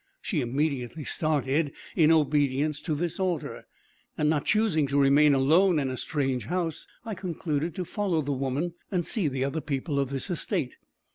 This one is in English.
She immediately started, in obedience to this order, and not choosing to remain alone in a strange house, I concluded to follow the woman, and see the other people of this estate.